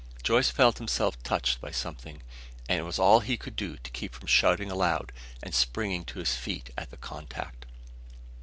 Joyce felt himself touched by something, and it was all he could do to keep from shouting aloud and springing to his feet at the contact.